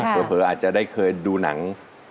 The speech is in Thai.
เผลออาจจะได้เคยดูหนัง